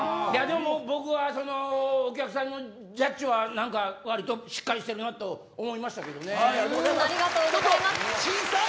僕はお客さんのジャッジはわりとしっかりしてるなと思いました。